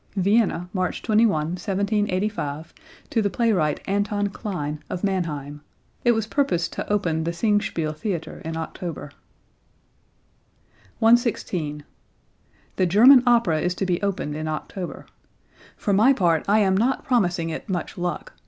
(Vienna, March 21, 1785, to the playwright Anton Klein of Mannheim. It was purposed to open the Singspiel theatre in October.) 116. "The German Opera is to be opened in October. For my part I am not promising it much luck.